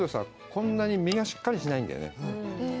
こんなに身がしっかりしないんだよね